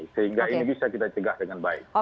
sehingga ini bisa kita cegah dengan baik